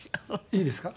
いいですか？